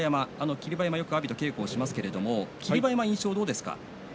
霧馬山はよく阿炎と稽古しますけれども霧馬山の印象はどうですか？